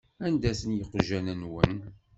Anda-ten yiqjan-nwen?